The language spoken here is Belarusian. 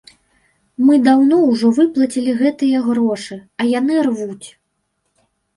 Мы даўно ўжо выплацілі гэтыя грошы, а яны рвуць!